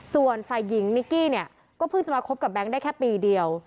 ส่วนฝ่ายหญิงนิกกี้เนี่ยก็เพิ่งจะมาคบกับแบงค์ได้แค่ปีเดียว